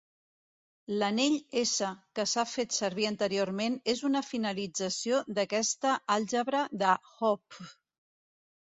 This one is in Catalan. L'anell "S" que s'ha fet servir anteriorment és una finalització d'aquesta àlgebra de Hopf.